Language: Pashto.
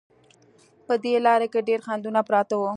په دې لاره کې ډېر خنډونه پراته وو.